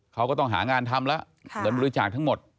เขาก็ต้องหางานทำแล้วเงินบริจาคทั้งหมด